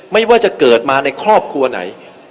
ไม่ว่าจะเกิดมาในครอบครัวไหน